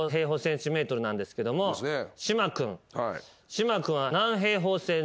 島君。